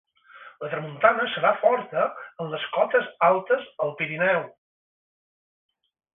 La tramuntana serà forta en les cotes altes al Pirineu.